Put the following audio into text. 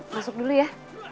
masuk dulu ya